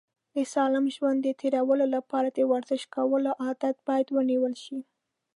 د سالم ژوند د تېرولو لپاره د ورزش کولو عادت باید ونیول شي.